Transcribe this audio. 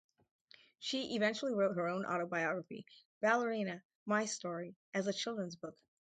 She eventually wrote her own autobiography "Ballerina: My Story" as a children's book.